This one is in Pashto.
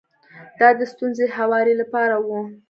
دا د ستونزې د هواري لپاره و.